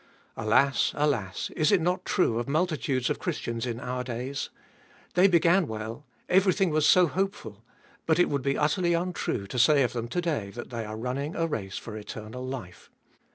Alas, alas, is it not true of multitudes of Christians in our days? They began well, everything was so hopeful ; but it would be utterly untrue to say of them to day that they are running a race for eternal life.